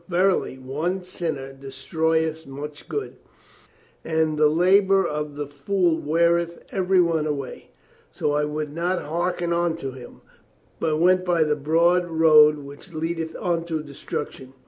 Verily, one sinner destroyeth much good, and the labor of the fool weareth every one away. So I would not harken unto him, but went by the broad road which leadeth unto destruction.